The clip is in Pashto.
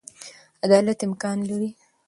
عدالت امکان لري.